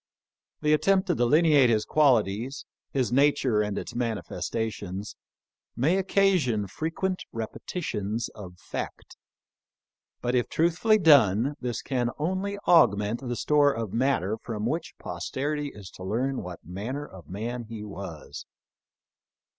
The attempt to delineate his qualities, his nature and its manifestations, may occasion frequent repe titions of fact, but if truthfully done this can only augment the store of matter from which posterity is to learn what manner of man he was.